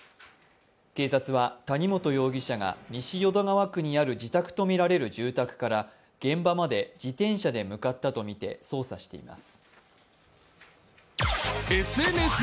警察は谷本容疑者が西淀川区にある自宅とみられる住宅から現場まで自転車で向かったとみて捜査しています。